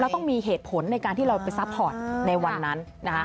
ต้องมีเหตุผลในการที่เราไปซัพพอร์ตในวันนั้นนะคะ